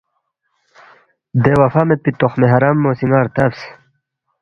دے وفا میدپی تخمِ حرام مو سی ن٘ا ردبس